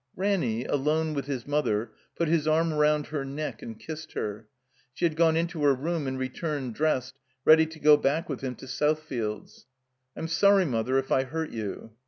Ranny, alone with his mother, put his arm round her neck and kissed her. (She had gone into her room and returned dressed, ready to go back with him to Southfields.) "I'm sorry, Mother, if I hurt you."